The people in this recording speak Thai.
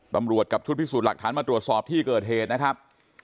ตำรวจกับชุดพิสูจน์หลักฐานมาตรวจสอบที่เกิดเหตุนะครับ